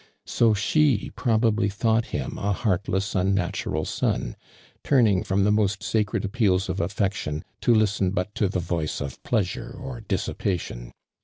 Ho she probably thought him a heartless, unnatural son, turning I'rom the most sacred appeals of affection, to listen but to the voice of pleasure or dissipation